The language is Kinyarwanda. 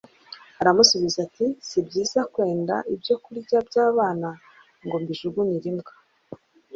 Aramusubiza ati : "Si byiza kwenda ibyo kurya by'abana ngo mbijugunyire imbwa."